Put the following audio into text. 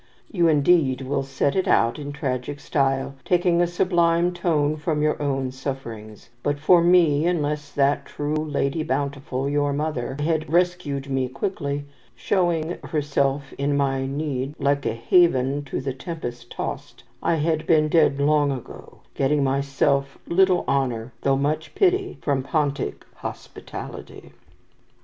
You, indeed, will set it out in tragic style, taking a sublime tone from your own sufferings; but for me, unless that true Lady Bountiful, your mother, had rescued me quickly, showing herself in my need like a haven to the tempest tossed, I had been dead long ago, getting myself little honour, though much pity, from Pontic hospitality."